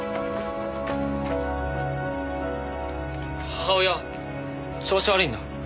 母親調子悪いんだ。